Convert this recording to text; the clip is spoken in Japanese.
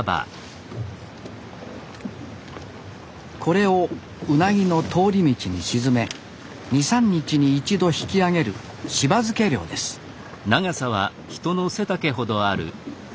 これをウナギの通り道に沈め２３日に一度引き上げる柴漬け漁ですおっ。